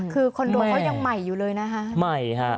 คือคอนโดยเขายังใหม่อยู่เลยนะฮะ